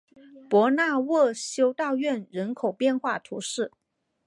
博纳沃修道院人口变化图示